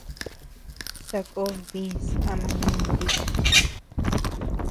Sakó dïs ama nunti.